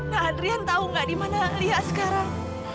nadrian tau gak di mana lia sekarang